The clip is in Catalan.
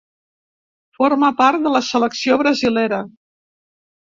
Formà part de la selecció brasilera.